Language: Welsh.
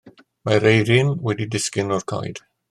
Mae'r eirin wedi disgyn o'r coed.